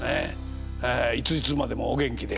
いついつまでもお元気で。